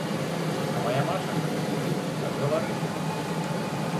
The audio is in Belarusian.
А мая мачаха тады мяне адгаварыла.